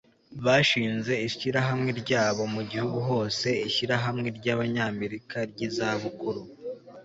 Bashinze ishyirahamwe ryabo mu gihugu hose Ishyirahamwe ryAbanyamerika ryizabukuru